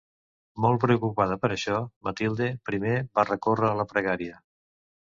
Molt preocupada per això, Matilde, primer va recórrer a la pregària.